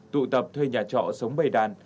tụ tập thuê nhà trọ sống bầy đàn